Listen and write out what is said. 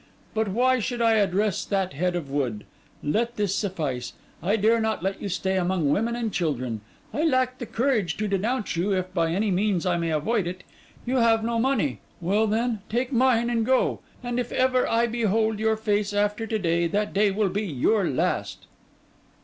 But why should I address that head of wood? Let this suffice. I dare not let you stay among women and children; I lack the courage to denounce you, if by any means I may avoid it; you have no money: well then, take mine, and go; and if ever I behold your face after to day, that day will be your last.